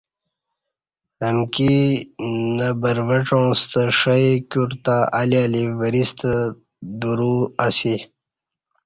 امکی نہ بروعڅاں ستہ ݜئ کیور تہ الی الی وریستہ دورو اسی